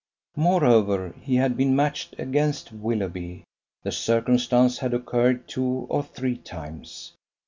Moreover, he had been matched against Willoughby: the circumstance had occurred two or three times.